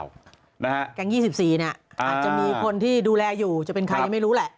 แก๊ง๒๔เนี่ยอาจจะมีคนที่ดูแลอยู่จะเป็นใครยังไม่รู้แหละ